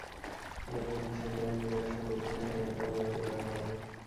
জনগণকে শেষবারের মতো দেখার সুযোগ দিতে সেখানে তাঁর মরদেহ রাখা হবে।